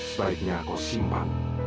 sebaiknya kau simpan